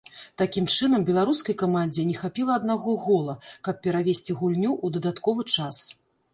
Такім чынам, беларускай камандзе не хапіла аднаго гола, каб перавесці гульню ў дадатковы час.